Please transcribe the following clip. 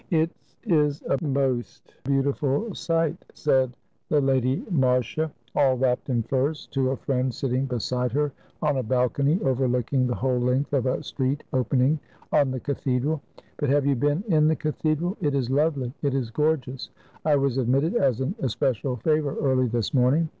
"It is a most beautiful sight," said the Lady Marcia, 151 FRANCE all wrapped in furs, to a friend sitting beside her on a balcony overlooking the whole length of a street opening on the cathedral. " But have you been in the cathedral? It is lovely ! it is gorgeous ! I was admitted as an especial favor early this morning.